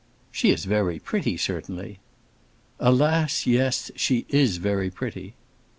"She is very pretty, certainly." "Alas, yes, she is very pretty!"